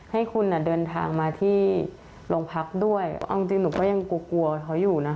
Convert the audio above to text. ให้คุณเดินทางมาที่โรงพักด้วยเอาจริงหนูก็ยังกลัวกลัวเขาอยู่นะ